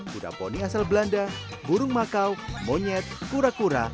kuda poni asal belanda burung makau monyet kura kura